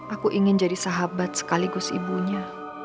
aku ingin jadi sahabat sekaligus ibunya